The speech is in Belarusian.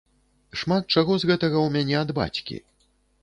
Шмат чаго з гэтага ў мяне ад бацькі.